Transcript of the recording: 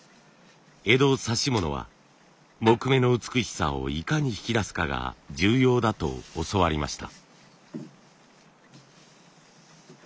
江戸指物は木目の美しさをいかに引き出すかが重要だと教わりました。